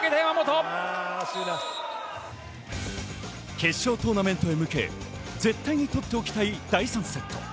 決勝トーナメントに向け、絶対に取っておきたい第３セット。